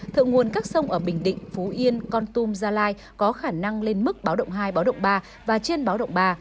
thượng nguồn các sông ở bình định phú yên con tum gia lai có khả năng lên mức báo động hai báo động ba và trên báo động ba